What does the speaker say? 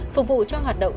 phục vụ cho hoạt động